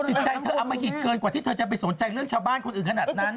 จิตใจเธออมหิตเกินกว่าที่เธอจะไปสนใจเรื่องชาวบ้านคนอื่นขนาดนั้น